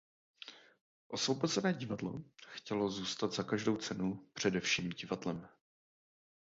Osvobozené divadlo chtělo zůstat za každou cenu především divadlem.